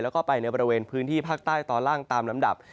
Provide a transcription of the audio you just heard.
แล้วก็ไปในบริเวณพื้นที่ภาคใต้ตอนล่างตามลำดับ